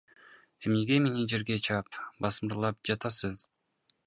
Эмнеге мени жерге чаап, басмырлап жатасыз?